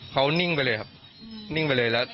เขานิ่งไปเลยครับนิ่งไปเลยแล้ว